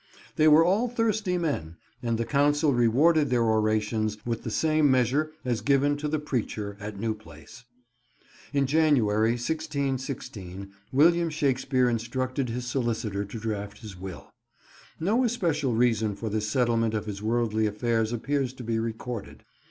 They were all thirsty men, and the council rewarded their orations with the same measure as given to the preacher at New Place. In January 1616, William Shakespeare instructed his solicitor to draft his will. No especial reason for this settlement of his worldly affairs appears to be recorded.